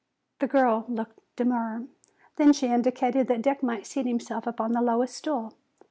The girl looked demure. Then she indicated that Dick might seat himself upon the lowest stool.